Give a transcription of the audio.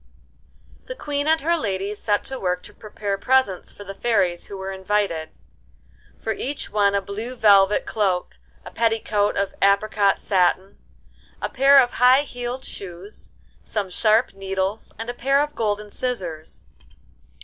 The Queen and her ladies set to work to prepare presents for the fairies who were invited: for each one a blue velvet cloak, a petticoat of apricot satin, a pair of high heeled shoes, some sharp needles, and a pair of golden scissors.